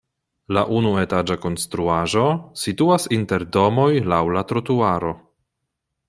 La unuetaĝa konstruaĵo situas inter domoj laŭ la trotuaro.